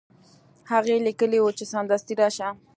هغه لیکلي وو چې سمدستي راشه.